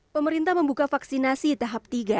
pemerintah membuka vaksinasi tahap tiga